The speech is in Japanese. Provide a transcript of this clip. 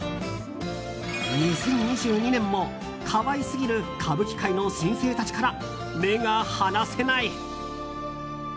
２０２２年も、可愛すぎる歌舞伎界の新星たちから目が離せない。